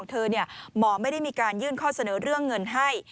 เธอหมอไม่ได้มีการยื่นข้อเสนอเรื่องเงินให้